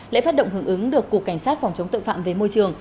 lễ phát động hưởng ứng được cục cảnh sát phòng chống tội phạm về môi trường